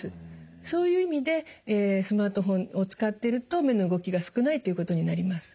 そういう意味でスマートフォンを使っていると目の動きが少ないということになります。